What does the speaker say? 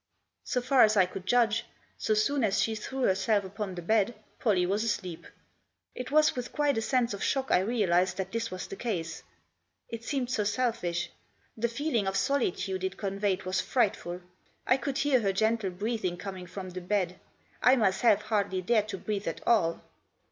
So far as I could judge, so soon as she threw herself upon the bed Pollie was asleep. It was with quite a sense of shock I realised that this was the case. It seemed so selfish. The feeling of solitude it conveyed was frightful. I could hear her gentle breathing coming from the bed ; I myself hardly dared to breathe at all.